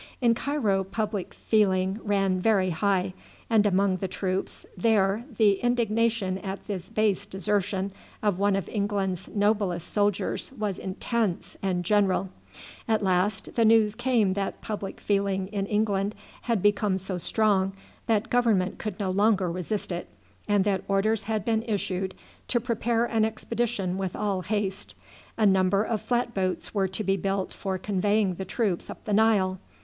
In Cairo public feeling ran very high, and among the troops there the indignation at this base desertion of one of England's noblest soldiers was intense and general. At last the news came that public feeling in England had become so strong that government could no longer resist it, and that orders had been issued to prepare an expedition with all haste. A number of flat boats were to be built for conveying the troops up the Nile.